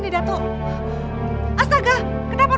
dan aku harap